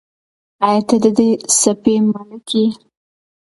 آیا ته د دې سپي مالیک یې؟